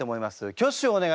挙手をお願いします。